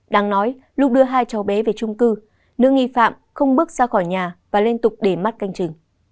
đáng nói lúc đưa hai cháu bé về trung cư nữ nghi phạm không bước ra khỏi nhà và liên tục để mắt canh chừng